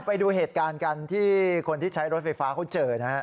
ไปดูเหตุการณ์กันที่คนที่ใช้รถไฟฟ้าเขาเจอนะฮะ